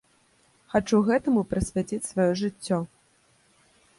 Хачу гэтаму прысвяціць сваё жыццё.